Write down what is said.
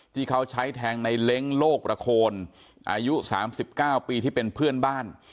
ที่เขาใช้แทงในเล้งโลกประโคนอายุ๓๙ปีที่เป็นเพื่อนบ้าน